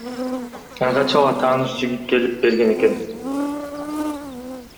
Ага чала тааныш жигит келип берген экен.